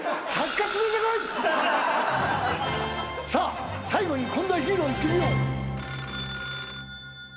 さあ最後にこんなヒーローいってみよう。